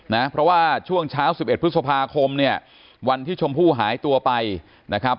นะเพราะว่าช่วงเช้าสิบเอ็ดพฤษภาคมเนี่ยวันที่ชมพู่หายตัวไปนะครับ